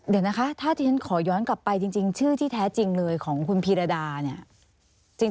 เดี๋ยวนะคะถ้าที่ฉันขอย้อนกลับไปจริงชื่อที่แท้จริงเลยของคุณพีรดาเนี่ย